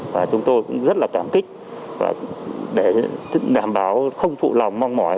và chúng tôi cũng rất là cảm kích để đảm bảo không phụ lòng mong mỏi